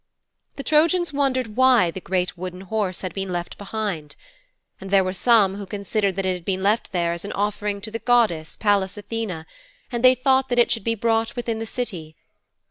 'The Trojans wondered why the great Wooden Horse had been left behind. And there were some who considered that it had been left there as an offering to the goddess, Pallas Athene, and they thought it should be brought within the city.